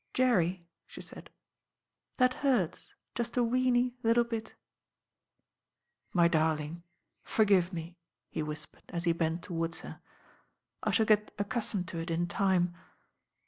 "Jerry," she said, "that hurts just a weeny, little bit." "My darling, forgive me," he whispered as he bent towards her. "I shall get accustomed to it in time."